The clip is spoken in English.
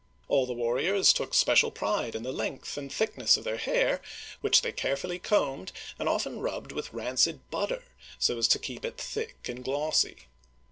All the warriors took special pride in the length and thick ness of their halt, which they carefully combed and often rubbed with rancid butter, so as to keep it thick and glossy.